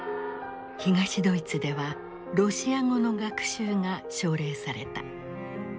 東ドイツではロシア語の学習が奨励された。